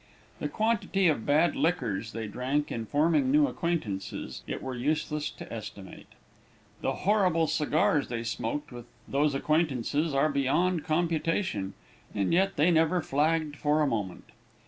The quantity of bad liquors they drank in forming new acquaintances, it were useless to estimate; the horrible cigars they smoked with those acquaintances are beyond computation, and yet they never flagged for a moment.